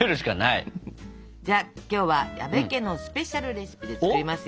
じゃあ今日は矢部家のスペシャルレシピで作りますよ。